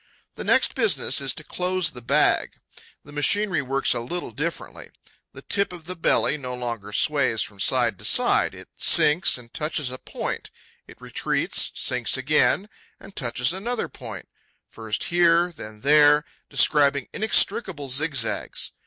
The next business is to close the bag. The machinery works a little differently. The tip of the belly no longer sways from side to side. It sinks and touches a point; it retreats, sinks again and touches another point, first here, then there, describing inextricable zigzags.